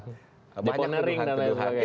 depo nering dan lain sebagainya